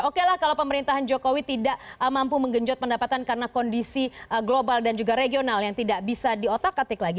oke lah kalau pemerintahan jokowi tidak mampu menggenjot pendapatan karena kondisi global dan juga regional yang tidak bisa diotak atik lagi